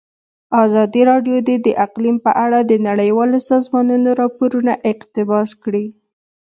ازادي راډیو د اقلیم په اړه د نړیوالو سازمانونو راپورونه اقتباس کړي.